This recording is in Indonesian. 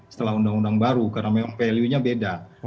setelah undang undang baru karena memang value nya beda